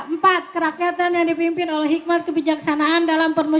empat kerakyatan yang dipimpin oleh hikmat kebijaksanaan dan kebijaksanaan